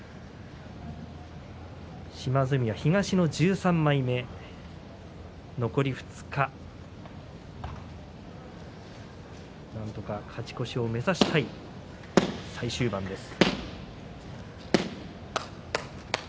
島津海は東の１３枚目残り２日、なんとか勝ち越しを目指したい最終盤です。